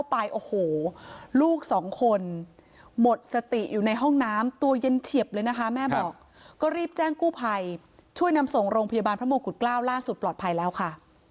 พยาบาลพระมงกุฎกล้าวล่าสุดปลอดภัยแล้วค่ะ